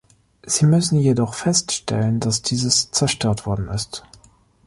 Sie müssen jedoch feststellen, dass dieses zerstört worden ist.